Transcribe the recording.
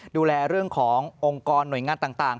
ดูแลเรื่องขององค์กรหน่วยงานต่าง